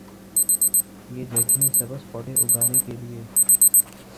یہ جگہیں سبز پودے اگانے کے لئے